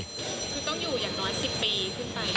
คือต้องอยู่อย่างน้อย๑๐ปีขึ้นไป